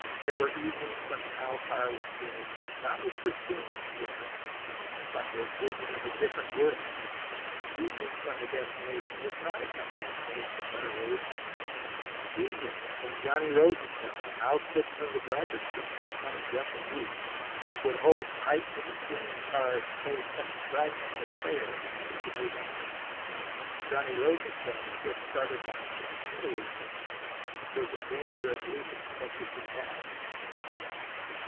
There were evenings when the Howe car was filled, not with Christine and her friends, but with women of a different world; evenings when the destination was not a country estate, but a road house; evenings when Johnny Rosenfeld, ousted from the driver's seat by some drunken youth, would hold tight to the swinging car and say such fragments of prayers as he could remember. Johnny Rosenfeld, who had started life with few illusions, was in danger of losing such as he had.